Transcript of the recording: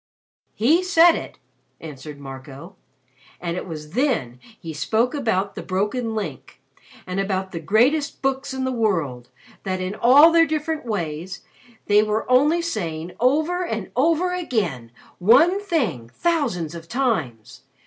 "He said it," answered Marco. "And it was then he spoke about the broken Link and about the greatest books in the world that in all their different ways, they were only saying over and over again one thing thousands of times.